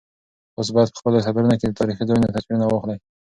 تاسو باید په خپلو سفرونو کې د تاریخي ځایونو تصویرونه واخلئ.